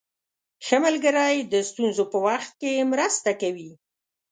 ښه ملګری د ستونزو په وخت کې مرسته کوي.